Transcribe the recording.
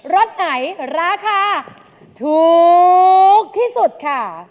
สไหนราคาถูกที่สุดค่ะ